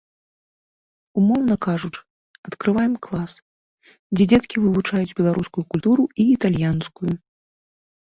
Умоўна кажучы, адкрываем клас, дзе дзеткі вывучаюць беларускую культуру і італьянскую.